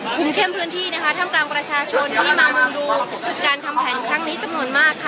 เข้มพื้นที่นะคะท่ามกลางประชาชนที่มามองดูการทำแผนครั้งนี้จำนวนมากค่ะ